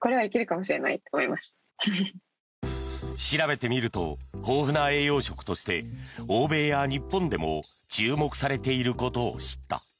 調べてみると豊富な栄養食として欧米や日本でも注目されていることを知った。